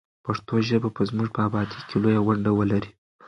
پښتو ژبه به زموږ په ابادۍ کې لویه ونډه ولري.